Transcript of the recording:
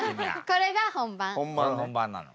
これ本番なの？